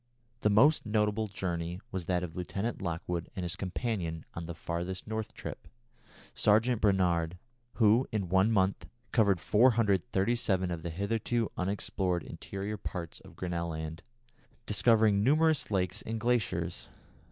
The most notable journey was that of Lieutenant Lockwood and his companion on the "farthest North" trip, Sergeant Brainard, who, in one month, covered 437 miles of the hitherto unexplored interior parts of Grinnel Land, discovering numerous lakes and glaciers.